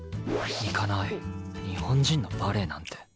行かない日本人のバレエなんて。